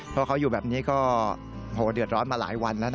เพราะเขาอยู่แบบนี้ก็เดือดร้อนมาหลายวันแล้วนะ